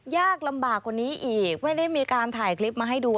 ยากลำบากกว่านี้อีกไม่ได้มีการถ่ายคลิปมาให้ดู